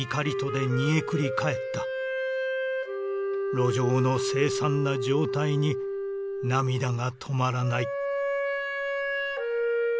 「路上の凄惨な状態に涙がとまらない」。